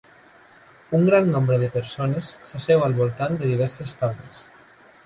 Un gran nombre de persones s'asseu al voltant de diverses taules.